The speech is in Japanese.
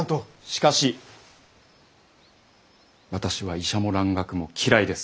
しかし私は医者も蘭学も嫌いです！